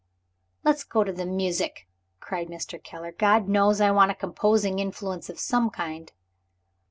"Let's go to the music!" cried Mr. Keller. "God knows, I want a composing influence of some kind."